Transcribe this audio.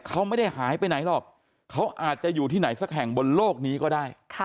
เขาไม่ได้หายไปไหนหรอกเขาอาจจะอยู่ที่ไหนสักแห่งบนโลกนี้ก็ได้